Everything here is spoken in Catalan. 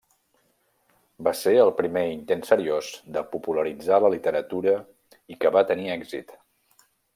Va ser el primer intent seriós de popularitzar la literatura i que va tenir èxit.